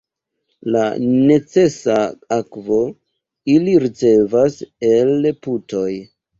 La necesa akvo ili ricevas el putoj.